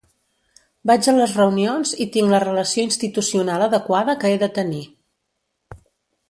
Vaig a les reunions i tinc la relació institucional adequada que he de tenir.